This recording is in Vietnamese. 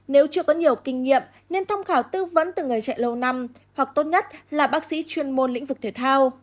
nếu chưa có nhiều kinh nghiệm nên tham khảo tư vấn từ người chạy lâu năm hoặc tốt nhất là bác sĩ chuyên môn lĩnh vực thể thao